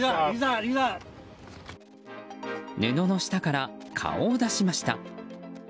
布の下から顔を出しました。